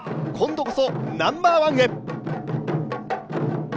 今度こそナンバーワンへ。